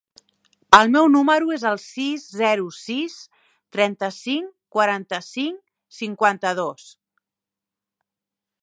El meu número es el sis, zero, sis, trenta-cinc, quaranta-cinc, cinquanta-dos.